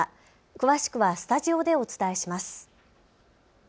詳しくはスタジオでお伝えします。